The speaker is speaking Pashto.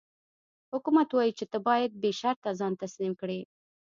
حکومت وايي چې ته باید بې شرطه ځان تسلیم کړې.